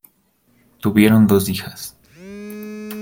Tuvieron dos hijas.